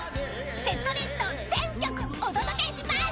［セットリスト全曲お届けします！］